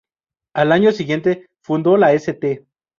Al año siguiente fundó la St.